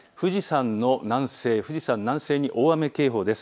富士山の南西、大雨警報です。